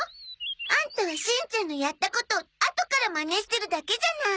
アンタはしんちゃんのやったことをあとからまねしてるだけじゃない。